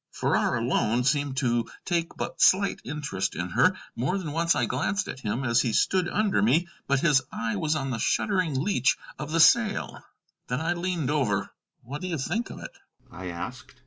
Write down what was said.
Farrar alone seemed to take but slight interest in her. More than once I glanced at him as he stood under me, but his eye was on the shuddering leach of the sail. Then I leaned over. "What do you think of it?" I asked.